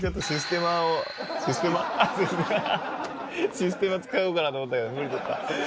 システマ使おうかなと思ったけど無理だった。